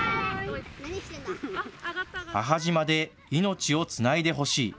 母島で命をつないでほしい。